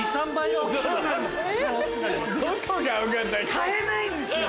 飼えないんですよ